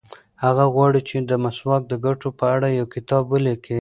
هغه غواړي چې د مسواک د ګټو په اړه یو کتاب ولیکي.